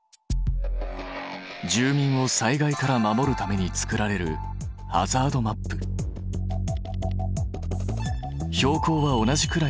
住民を災害から守るために作られる標高は同じくらいの火山